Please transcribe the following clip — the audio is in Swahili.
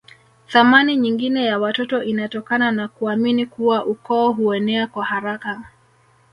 Thamani nyingine ya watoto inatokana na kuamini kuwa ukoo huenea kwa haraka